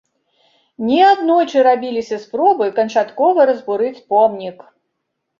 Неаднойчы рабіліся спробы канчаткова разбурыць помнік.